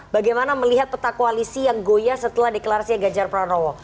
bagaimana melihat peta koalisi yang goya setelah deklarasinya ganjar pranowo